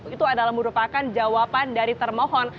itu adalah merupakan jawaban dari termohon